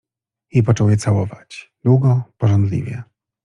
I począł je całować - długo pożądliwie